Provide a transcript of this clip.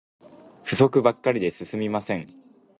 不足ばっかりで進みません